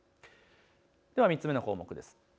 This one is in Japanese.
では３つ目の項目です。